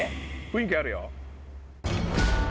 雰囲気あるよ。